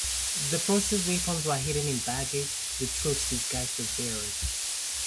The force's weapons were hidden in baggage, with troops disguised as bearers.